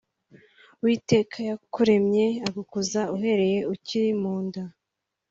Uwiteka wakuremye akagukuza uhereye ukiri mu nda